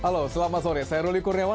halo selamat sore saya ruli kurniawan